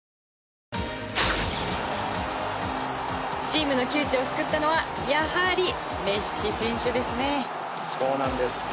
チームの窮地を救ったのはやはりメッシ選手ですね。